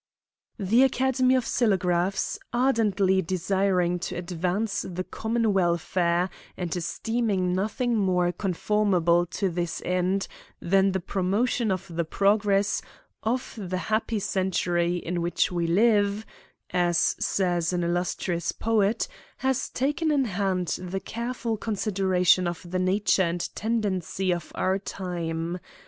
The Academy of Sillograplis, ardently desiring to advance the common welfare, and esteeming nothing more con formable to this end than the promotion of the progress " Of the happy century in which we live," as says an illustrious poet, has taken in hand the careful consideration of the nature and tendency of our time.